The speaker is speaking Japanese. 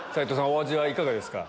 お味はいかがですか？